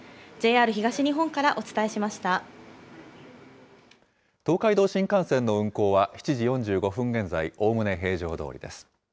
東海道新幹線の運行は、７時４５分現在、おおむね平常どおりです。